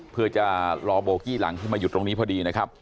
เพื่อจะรอโบกี้หลังที่มาหยุดตรงนี้พอดีนะครับ